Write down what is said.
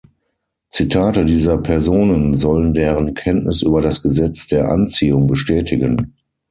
Zitate dieser Personen sollen deren Kenntnis über das Gesetz der Anziehung bestätigen.